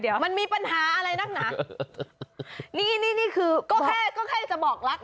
เดี๋ยวมันมีปัญหาอะไรนักหนักนี่คือก็แค่จะบอกรัก